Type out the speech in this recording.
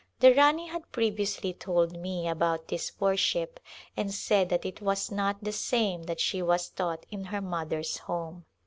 The Rani had previously told me about this worship and said that it was not the same that she was taught in her mother's home.